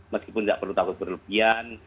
meskipun tidak perlu takut berlebihan